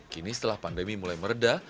kini setelah pandemi mulai meredah